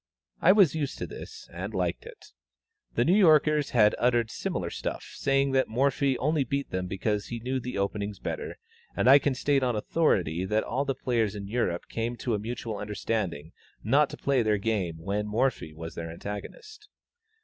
I was used to this, and liked it. The New Yorkers had uttered similar stuff, saying that Morphy only beat them because he knew the openings better, and I can state on authority that all the players in Europe came to a mutual understanding not to play their game when Morphy was their antagonist.